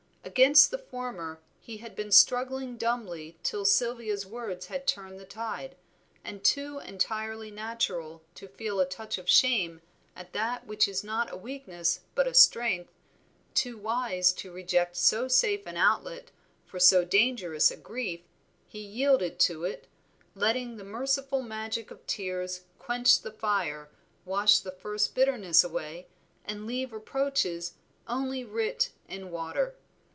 Against the former he had been struggling dumbly till Sylvia's words had turned the tide, and too entirely natural to feel a touch of shame at that which is not a weakness but a strength, too wise to reject so safe an outlet for so dangerous a grief, he yielded to it, letting the merciful magic of tears quench the fire, wash the first bitterness away, and leave reproaches only writ in water.